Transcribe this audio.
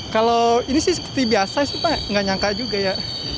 kalau ini sih seperti biasa sih pak nggak nyangka juga ya